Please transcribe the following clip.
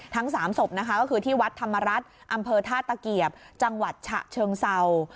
ทั้ง๓ศพนะคะก็คือที่วัดธรรมรัฐอำเภอท่าตะเกียบจังหวัดฉะเชิงเศร้า